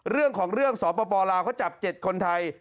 เรื่องของเรื่องสปลาวเขาจับ๗คนไทย